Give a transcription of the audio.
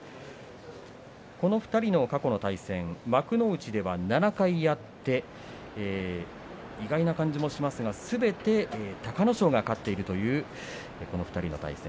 この２人の過去の対戦幕内では７回あって意外な感じもしますがすべて隆の勝が勝っているというこの２人の対戦。